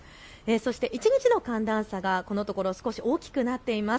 そして一日の寒暖差がこのところ少し大きくなっています。